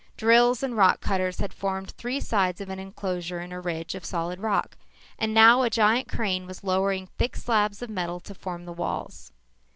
Drills and rock cutters had formed three sides of an enclosure in a ridge of solid rock, and now a giant crane was lowering thick slabs of metal to form the walls.